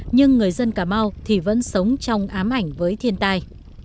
nhưng người dân cà mau thì vẫn sống trong ám ảnh với thiên tai